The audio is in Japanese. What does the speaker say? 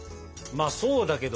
まあそうだけど。